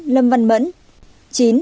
tám lâm văn mẫn